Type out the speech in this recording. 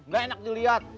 gak enak dilihat